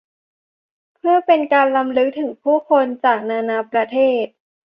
เพื่อเป็นการรำลึกถึงผู้คนจากนานาประเทศ